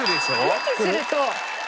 息すると。